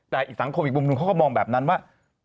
แต่อีกสังคมอีกมุมหนึ่งเขาก็มองแบบนั้นว่า